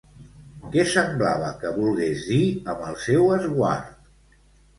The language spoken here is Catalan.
Què semblava que volgués dir amb el seu esguard?